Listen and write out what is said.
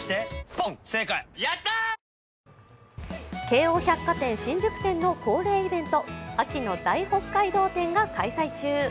京王百貨店新宿店の恒例イベント、秋の大北海道展が開催中。